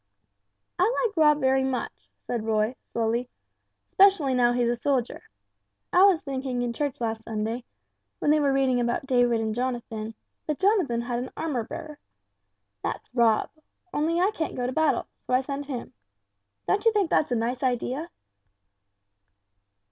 "I like Rob very much," said Roy, slowly, "'specially now he's a soldier. I was thinking in church last Sunday, when they were reading about David and Jonathan, that Jonathan had an armor bearer. That's Rob. Only I can't go to battle, so I send him. Don't you think that's a nice idea?"